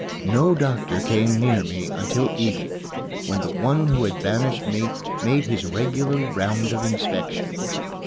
No doctor came near me until evening, when the one who had banished me made his regular round of inspection.